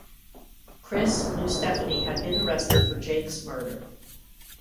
Chris knew Stephanie had been arrested for Jake's murder.